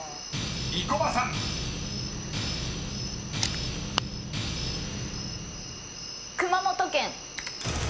［生駒さん］熊本県。